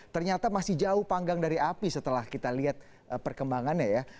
ternyata masih jauh panggang dari api setelah kita lihat perkembangannya ya